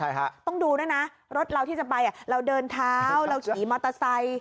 ใช่ฮะต้องดูด้วยนะรถเราที่จะไปเราเดินเท้าเราขี่มอเตอร์ไซค์